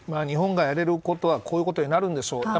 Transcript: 日本がやれることはこういうことになるんでしょう。